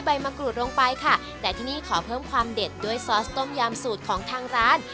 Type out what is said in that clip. ใบมะกรูดลงไปค่ะแต่ที่นี่ขอเพิ่มความเด็ดด้วยซอสต้มยำสูตรของทางร้าน